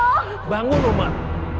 umah bangun umah